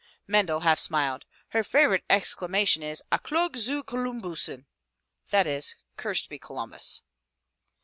Mendel half smiled. "Her favorite exclamation is *A Klog zu ColumhussenV that is, 'Cursed be Columbus!'